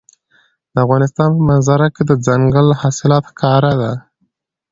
د افغانستان په منظره کې دځنګل حاصلات ښکاره ده.